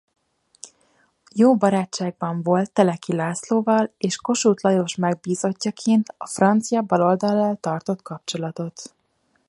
Jó barátságban volt Teleki Lászlóval és Kossuth Lajos megbízottjaként a francia baloldallal tartott kapcsolatot.